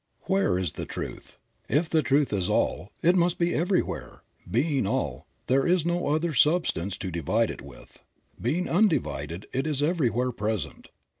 Where is the Truth? If the Truth is All, it must be everywhere; being all, there is no other substance to divide it with; being undi vided, it is everywhere present.